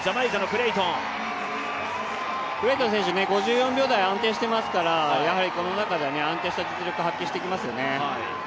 クレイトン選手５４秒台、安定していますからこの中では安定した実力発揮してきますよね。